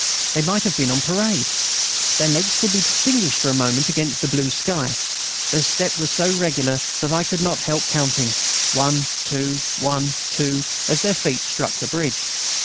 They might have been on parade. Their legs could be distinguished for a moment against the blue sky. Their step was so regular that I could not help counting: one, two; one, two, as their feet struck the bridge.